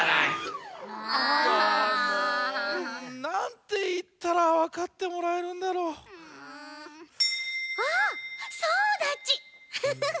なんていったらわかってもらえるんだろう。チーン！